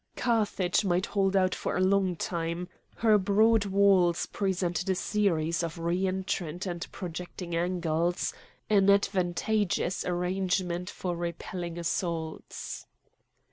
Carthage might hold out for a long time; her broad walls presented a series of re entrant and projecting angles, an advantageous arrangement for repelling assaults.